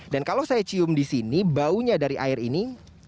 dan kalau saya cium disini baunya dari air ini